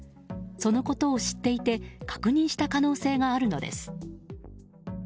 そのことを知っていて確認した可能性があるのです。